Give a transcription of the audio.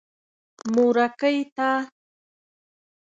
مورکۍ تا.